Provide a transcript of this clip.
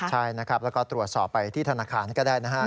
ใช่แล้วก็ตรวจสอบไปที่ธนาคารก็ได้